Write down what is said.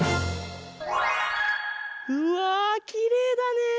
うわきれいだねえ！